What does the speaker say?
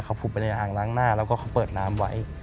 เขาผุดไปในอ่างล้างหน้าแล้วก็เขาเปิดน้ำไว้